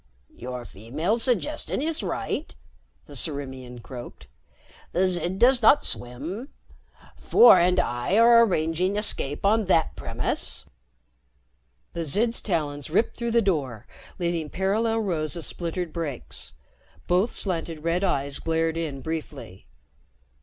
"Your female's suggestion is right," the Ciriimian croaked. "The Zid does not swim. Four and I are arranging escape on that premise." The Zid's talons ripped through the door, leaving parallel rows of splintered breaks. Both slanted red eyes glared in briefly.